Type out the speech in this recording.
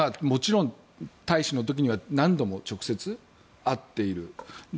もちろん大使の時には何度も直接会っている。